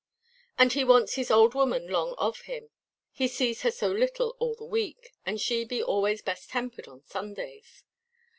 And he wants his old woman 'long of him; he see her so little all the week, and she be always best–tempered on Sundays.